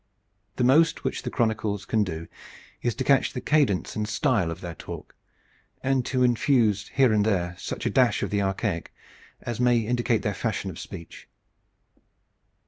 The most which the chronicles can do is to catch the cadence and style of their talk, and to infuse here and there such a dash of the archaic as may indicate their fashion of speech.